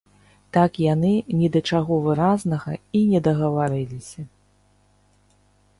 Так яны ні да чаго выразнага і не дагаварыліся.